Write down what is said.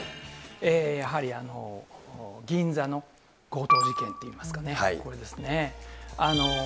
やはり、銀座の強盗事件っていいますかね、これですね。